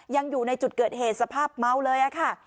ยังอยู่ในจุดเกิดเหตุสภาพเมาเลยค่ะ